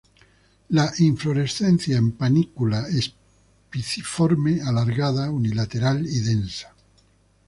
La inflorescencia en panícula espiciforme, alargada, unilateral y densa.